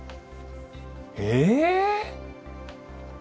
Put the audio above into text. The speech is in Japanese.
え？